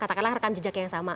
katakanlah rekam jejak yang sama